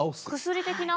薬的な？